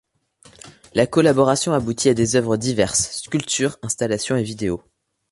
La collaboration aboutit à des œuvres diverses, sculptures, installations et vidéos.